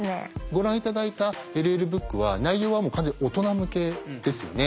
ご覧頂いたＬＬブックは内容は完全に大人向けですよね。